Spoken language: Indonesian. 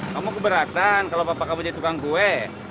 kamu keberatan kalau papa kamu jadi tukang gue